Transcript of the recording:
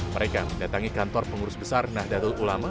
mereka mendatangi kantor pengurus besar nahdlatul ulama